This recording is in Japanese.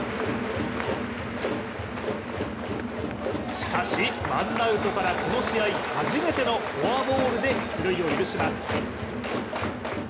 しかし、ワンアウトからこの試合初めてのフォアボールで出塁を許します。